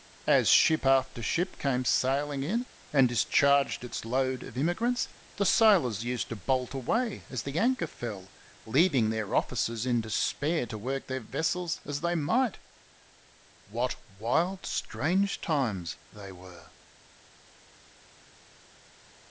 As ship after ship came sailing in and discharged its load of immigrants, the sailors used to bolt away as the anchor fell, leaving their officers in despair to work their vessels as they might. What wild, strange times they were